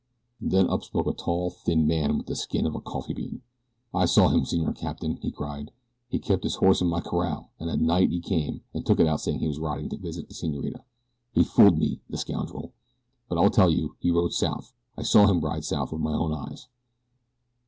Then up spoke a tall, thin man with the skin of a coffee bean. "I saw him, Senor Capitan," he cried. "He kept his horse in my corral, and at night he came and took it out saying that he was riding to visit a senorita. He fooled me, the scoundrel; but I will tell you he rode south. I saw him ride south with my own eyes."